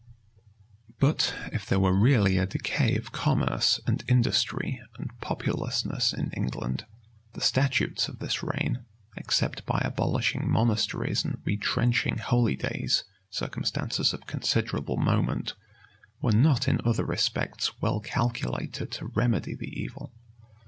[] But if there were really a decay of commerce, and industry, and populousness in England, the statutes of this reign, except by abolishing monasteries and retrenching holydays circumstances of considerable moment were not in other respects well calculated to remedy the evil.